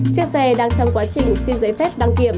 chiếc xe đang trong quá trình xin giấy phép